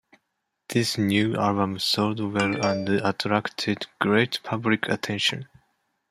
This new album sold well and attracted great public attention.